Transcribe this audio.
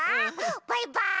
バイバーイ！